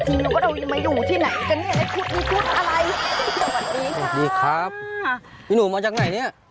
ถึงว่าที่ไหนข้างวันนี้ครับหนูมาจากไหนเนี่ย